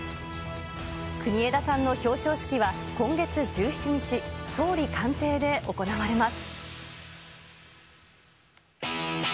国枝さんの表彰式は、今月１７日、総理官邸で行われます。